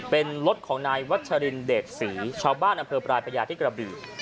เป็นรถของลายวัตชรินเดชศรีเชาบ้านอปรายพยาที่กระบรี